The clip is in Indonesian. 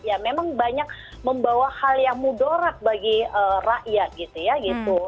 ya memang banyak membawa hal yang mudorat bagi rakyat gitu ya gitu